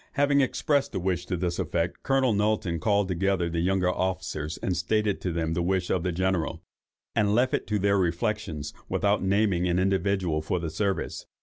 Having expressed a wish to this effect, Colonel Knowlton called together the younger officers, stated to them the wish of the General, and left it to their reflections, without naming any individual for the service.